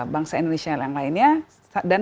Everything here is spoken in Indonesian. bangsa indonesia yang lainnya dan